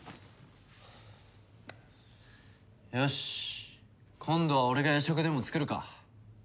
よし今度は俺が夜食でも作るか。